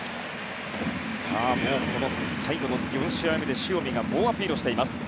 この最後の４試合目で塩見が猛アピールをしています。